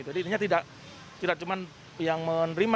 jadi ini tidak cuma yang menerima